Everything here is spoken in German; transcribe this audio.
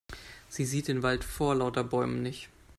Sie sieht den Wald vor lauter Bäumen nicht.